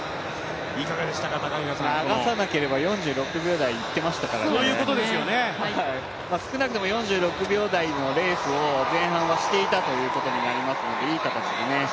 流さなければ４６秒台はいっていたと思いますからね、少なくとも４６秒台のレースをしていたということになりますので、いい形でね。